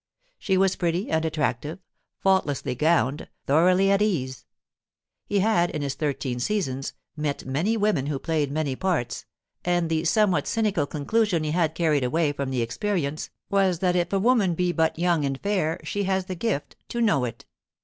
She was pretty and attractive, faultlessly gowned, thoroughly at ease. He had, in his thirteen seasons, met many women who played many parts; and the somewhat cynical conclusion he had carried away from the experience was that if a woman be but young and fair she has the gift to know it.